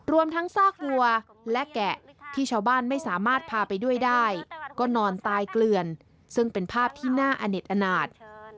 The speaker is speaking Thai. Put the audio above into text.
รวมทั้งซากวัวและแกะที่ชาวบ้านไม่สามารถพาไปด้วยได้ก็นอนตายเกลือนซึ่งเป็นภาพที่น่าอเน็ตอนาจ